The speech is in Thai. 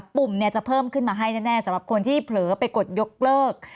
ปุ่มจะเพิ่มขึ้นมาให้แน่สำหรับคนที่เผลอไปกดยกเลิก